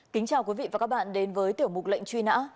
kính chào quý vị và các bạn đến với tiểu mục lệnh truy nã